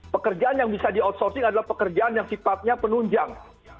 pekerjaan yang bisa dioutsourcing adalah pekerjaan yang sifatnya penunjang